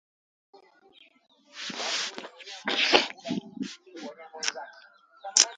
There a fort was built to protect the early settlers from Indian attacks.